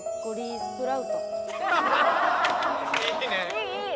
いいいい！